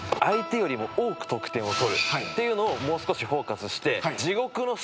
ていうのをもう少しフォーカスして。